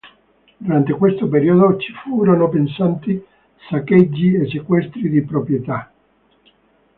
Durante questo periodo ci furono pesanti saccheggi e sequestri di proprietà.